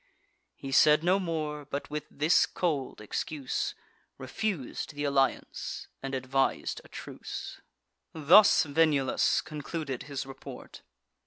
He said no more; but, with this cold excuse, Refus'd th' alliance, and advis'd a truce." Thus Venulus concluded his report.